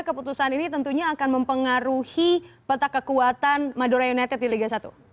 keputusan ini tentunya akan mempengaruhi peta kekuatan madura united di liga satu